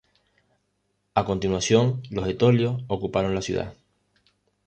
A continuación los etolios ocuparon la ciudad.